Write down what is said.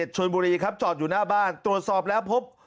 ชนบุรีครับจอดอยู่หน้าบ้านตรวจสอบแล้วพบ